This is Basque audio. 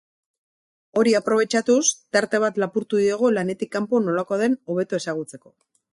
Hori aprobetxatuz, tarte bat lapurtu diogu lanetik kanpo nolakoa den hobeto ezagutzeko.